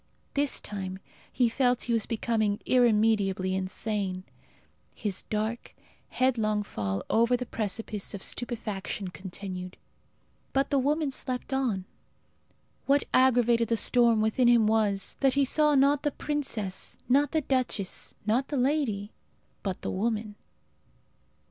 This time he felt he was becoming irremediably insane. His dark, headlong fall over the precipice of stupefaction continued. But the woman slept on. What aggravated the storm within him was, that he saw not the princess, not the duchess, not the lady, but the woman.